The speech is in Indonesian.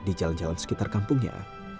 di jalan jalan sekitar kampungnya